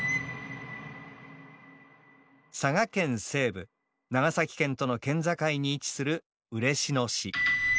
佐賀県西部長崎県との県境に位置する嬉野市。